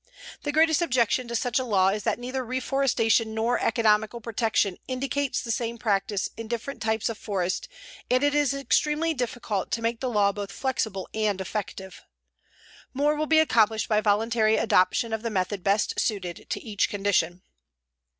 The greatest objection to such a law is that neither reforestation nor economical protection indicates the same practice in different types of forest and it is extremely difficult to make the law both flexible and effective. More will be accomplished by voluntary adoption of the method best suited to each condition.